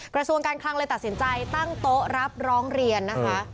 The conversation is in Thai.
กระทรวงการคลังเลยตัดสินใจตั้งโต๊ะรับร้องเรียนนะคะ